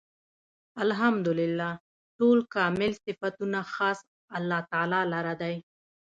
الحمد لله . ټول کامل صفتونه خاص الله تعالی لره دی